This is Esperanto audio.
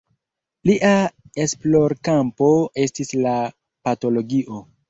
Lia esplorkampo estis la patologio.